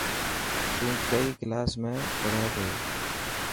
تون ڪئي ڪلاس ۾ پڙهي ٿو.